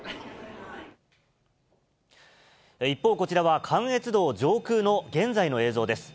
一方、こちらは関越道上空の現在の映像です。